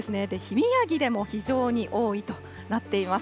宮城でも非常に多いとなっています。